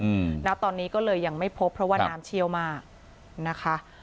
อืมณตอนนี้ก็เลยยังไม่พบเพราะว่าน้ำเชี่ยวมากนะคะ